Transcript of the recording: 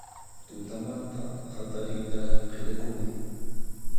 Tutamanta hatariyta qillakuni